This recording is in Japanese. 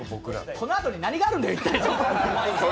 このあとに一体何があるんだよ。